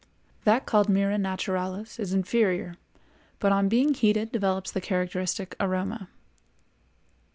That called myrrha naturalis is inferior, but on being heated develops the characteristic aroma.